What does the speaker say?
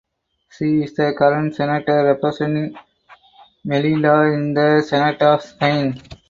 She is the current senator representing Melilla in the senate of Spain.